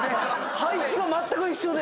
配置もまったく一緒で。